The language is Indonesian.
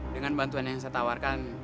dengan bantuan yang saya tawarkan